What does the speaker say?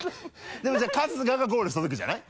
でもじゃあ春日がゴールした時じゃない？